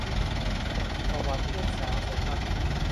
ประวัติลูกสาวสมรักษ์